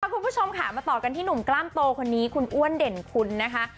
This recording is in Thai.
คุณผู้ชมค่ะมาต่อกันที่หนุ่มกล้ามโตคนนี้คุณอ้วนเด่นคุณนะคะ